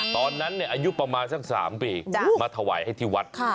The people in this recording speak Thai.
ตอนนั้นอายุประมาณสัก๓ปีมาถวายให้ที่วัด